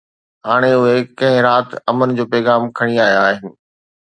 هاڻي اهي ڪنهن رات امن جو پيغام کڻي آيا آهن.